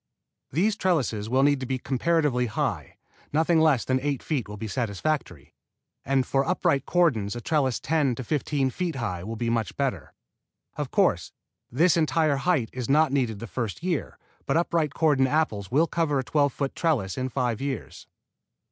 These trellises will need to be comparatively high. Nothing less than eight feet will be satisfactory, and for upright cordons a trellis ten to fifteen feet high will be much better. Of course, this entire height is not needed the first year, but upright cordon apples will cover a twelve foot trellis in five years.